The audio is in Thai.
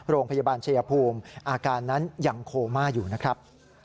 โรงพยาบาลชายภูมิอาการนั้นยังโคม่าอยู่นะครับ